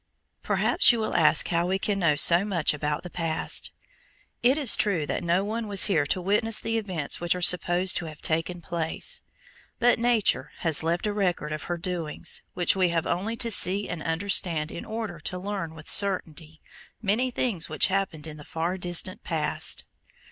Perhaps you will ask how we can know so much about the past. It is true that no one was here to witness the events which are supposed to have taken place. But Nature has left a record of her doings which we have only to see and understand in order to learn with certainty many things which happened in the far distant past.